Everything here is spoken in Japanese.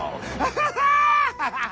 ハハハハハ！